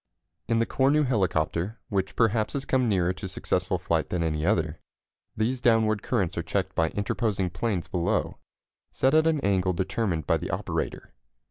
In the Cornu helicopter, which perhaps has come nearer to successful flight than any other, these downward currents are checked by interposing planes below, set at an angle determined by the operator.